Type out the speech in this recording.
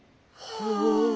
はあ。